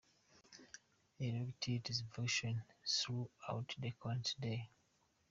erectile dysfunction throughout the current day.